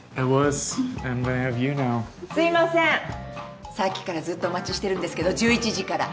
すいませんさっきからずっとお待ちしてるんですけど１１時から。